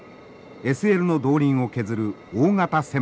ＳＬの動輪を削る大型旋盤です。